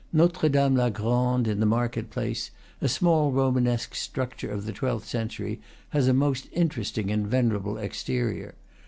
Notre Dame la Grande, in the market place, a small romanesque structure of the twelfth century, has a most interesting and venerable exterior.